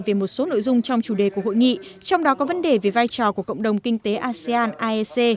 về một số nội dung trong chủ đề của hội nghị trong đó có vấn đề về vai trò của cộng đồng kinh tế asean aec